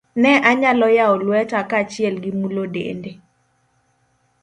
Ne anyalo yawo lweta kaachiel gi mulo dende.